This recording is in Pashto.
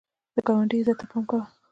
د ګاونډي عزت ته پام کوه